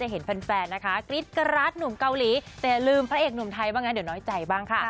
เห็นขนาดนี้